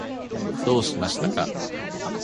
どうしましたか？